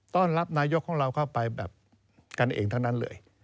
ต้อนรับนายกของเราเข้าไปแบบกันเองทั้งนั้นเลย